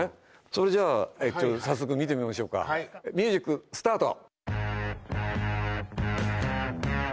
それじゃあ早速見てみましょうかミュージックスタート